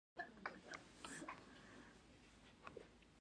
بوتل په یخچال کې ځای نیسي.